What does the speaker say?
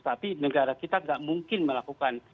tapi negara kita tidak mungkin melakukan